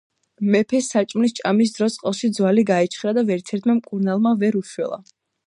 მეფეს საჭმლის ჭამის დროს ყელში ძვალი გაეჩხირა და ვერცერთმა მკურნალმა ვერ უშველა.